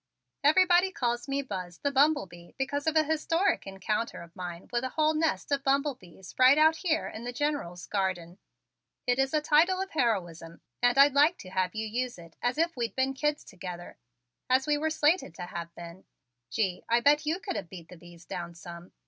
"Everybody calls me Buzz the Bumble Bee because of a historic encounter of mine with a whole nest of bumblebees right out here in the General's garden. It is a title of heroism and I'd like to have you use it as if we'd been kids together as we were slated to have been. Gee, I bet you could have beat the bees down some.